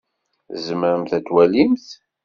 Tzemremt ad twalimt?